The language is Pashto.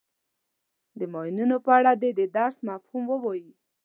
د ماینونو په اړه دې د درس مفهوم ووایي.